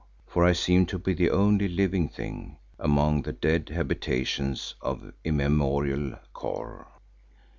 For I seemed to be the only living thing among the dead habitations of immemorial Kôr.